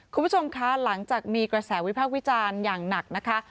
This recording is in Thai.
คุณผู้ชมคะหลังจากมีกระแสวิพากษ์วิจารณ์อย่างหนักนะคะ